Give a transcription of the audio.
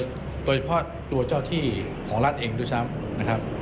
ได้รับความปลอดภัยโดยเฉพาะตัวเจ้าที่ของรัฐเองด้วยซ้ำ